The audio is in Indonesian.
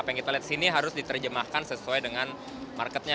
biar kita lihat ini harus diterjemahkan sesuai dengan marketnya